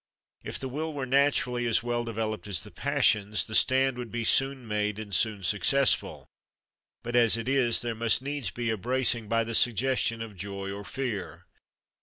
If the will were naturally as well developed as the passions, the stand would be soon made and soon successful; but as it is there must needs be a bracing by the suggestion of joy or fear.